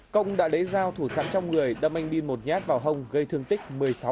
công đã lấy dao thủ sẵn trong người đâm anh bi một nhát vào hông gây thương tích một mươi sáu